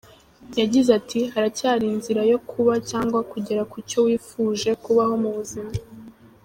Yagize ati “Haracyari inzira yo kuba cyangwa kugera ku cyo wifuje kubaho mu buzima.